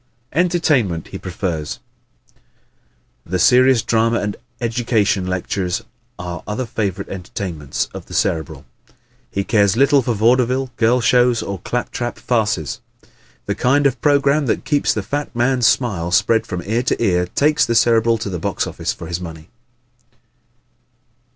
Entertainment He Prefers ¶ The serious drama and educational lectures are other favorite entertainments of the Cerebral. He cares little for vaudeville, girl shows, or clap trap farces. The kind of program that keeps the fat man's smile spread from ear to ear takes the Cerebral to the box office for his money.